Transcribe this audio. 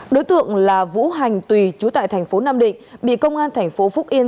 đối tượng là vũ hành tùy chú tại thành phố nam định bị công an thành phố phúc yên